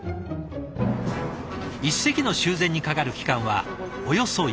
一隻の修繕にかかる期間はおよそ１か月。